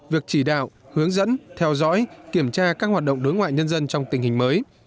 việc chỉ đạo hướng dẫn theo dõi kiểm tra các hoạt động đối ngoại nhân dân trong tình hình mới